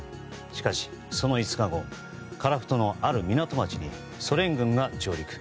しかし、その５日後樺太のある港町にソ連軍が上陸。